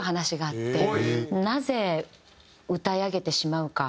「なぜ歌い上げてしまうか」。